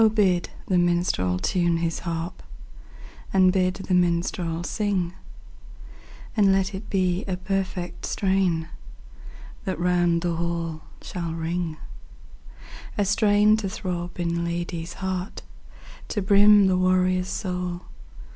BID the minstrel tune his haxp, And bid the minstrel sing; And let it be a perfect strain That round the hall shall ring : A strain to throb in lad/s heart, To brim the warrior's soul.